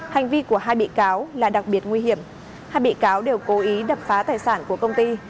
hành vi của hai bị cáo là đặc biệt nguy hiểm hai bị cáo đều cố ý đập phá tài sản của công ty